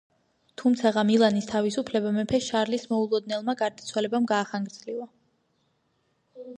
თუმცაღა მილანის თავისუფლება მეფე შარლის მოულოდნელმა გარდაცვალებამ გაახანგრძლივა.